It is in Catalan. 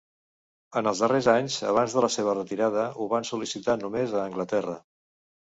En els darrers anys, abans de la seva retirada ho van sol·licitar només a Anglaterra.